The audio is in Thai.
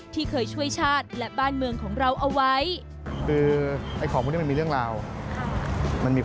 ที่เคยช่วยชาติและบ้านเมืองของเราเอาไว้